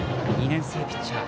２年生ピッチャー。